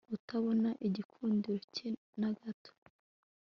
Utabona igikundiro cye nagato